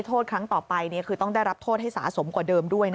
โทษครั้งต่อไปคือต้องได้รับโทษให้สะสมกว่าเดิมด้วย